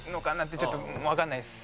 ちょっとわかんないです。